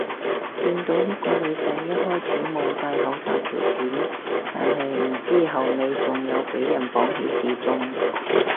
見到呢個女仔一開始冇戴口罩條片，但係唔知後尾仲有俾人綁起示眾